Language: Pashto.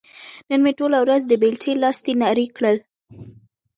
نن مې ټوله ورځ د بېلچې لاستي نري کړ.